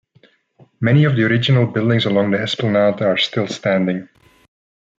Many of the original buildings along the esplanade are still standing.